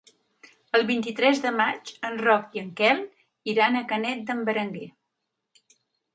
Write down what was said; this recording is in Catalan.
El vint-i-tres de maig en Roc i en Quel iran a Canet d'en Berenguer.